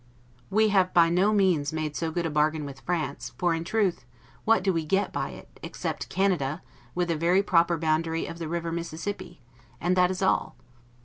We have by no means made so good a bargain with France; for, in truth, what do we get by it, except Canada, with a very proper boundary of the river Mississippi! and that is all.